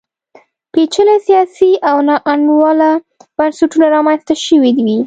پېچلي سیاسي او ناانډوله بنسټونه رامنځته شوي وي.